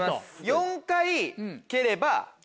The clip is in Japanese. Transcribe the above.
４回蹴れば？